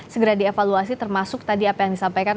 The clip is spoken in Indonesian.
segera dievaluasi termasuk tadi apa yang disampaikan